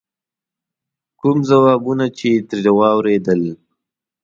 کوم ځوابونه چې یې ترې واورېدل.